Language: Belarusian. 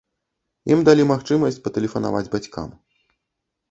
Ім далі магчымасць патэлефанаваць бацькам.